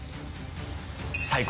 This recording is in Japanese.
最高。